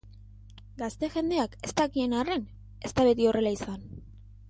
Gazte-jendeak ez dakien arren, ez da beti horrela izan.